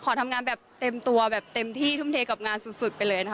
ขอทำงานแบบเต็มตัวแบบเต็มที่ทุ่มเทกับงานสุดไปเลยนะคะ